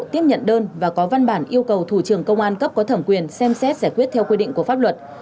tiếp nhận đơn và có văn bản yêu cầu thủ trưởng công an cấp có thẩm quyền xem xét giải quyết theo quy định của pháp luật